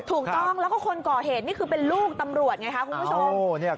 ถูกต้องแล้วก็คนก่อเหตุนี่คือเป็นลูกตำรวจไงคะคุณผู้ชม